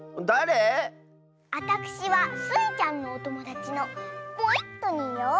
あたくしはスイちゃんのおともだちのポイットニーよ。